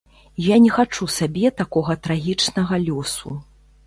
Я не хачу сабе такога трагічнага лёсу.